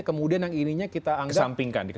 kemudian yang ininya kita anggap kesampingkan